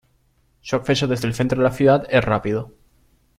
Su acceso desde el centro de la ciudad es rápido.